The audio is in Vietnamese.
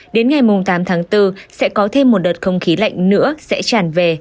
đến ngày tám tháng bốn sẽ có thêm một đợt không khí lạnh nữa sẽ tràn về